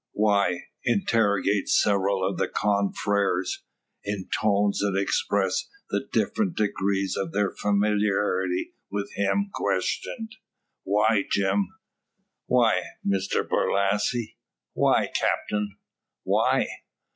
"Why?" interrogate several of his confreres, in tones that express the different degrees of their familiarity with him questioned, "Why, Jim?" "Why, Mr Borlasse?" "Why, Captain?" "Why?"